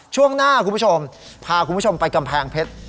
ช่วงหน้าคุณผู้ชมพาคุณผู้ชมไปกำแพงเพชร